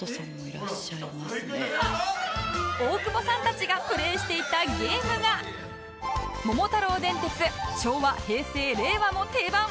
大久保さんたちがプレーしていたゲームが『桃太郎電鉄昭和平成令和も定番！』